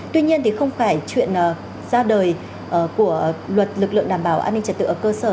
tuy nhiên thì không phải chuyện ra đời của luật lực lượng đảm bảo an ninh trật tự ở cơ sở